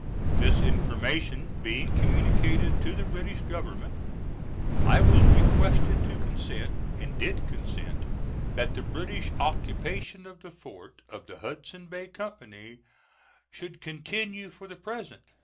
This information being communicated to the British Government, I was requested to consent, and did consent, that the British occupation of the fort of the Hudsons Bay Company should continue for the present.